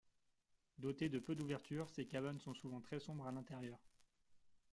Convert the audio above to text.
Dotées de peu d'ouvertures, ces cabanes sont souvent très sombres à l'intérieur.